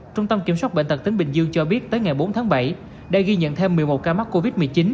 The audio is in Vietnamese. trung tâm kiểm soát bệnh tật tỉnh bình dương cho biết tới ngày bốn tháng bảy đã ghi nhận thêm một mươi một ca mắc covid một mươi chín